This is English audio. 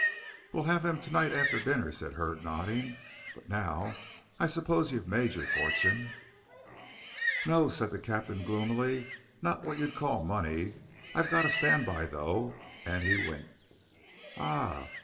"We'll have them to night after dinner," said Hurd, nodding; "but now, I suppose, you've made your fortune." "No," said the captain, gloomily, "not what you'd call money. I've got a stand by, though," and he winked. "Ah!